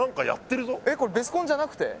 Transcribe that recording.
えっこれベスコンじゃなくて？